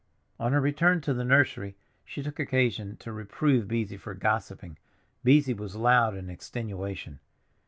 On her return to the nursery she took occasion to reprove Beesy for gossiping. Beesy was loud in extenuation.